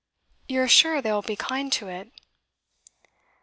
You are sure they will be kind to it?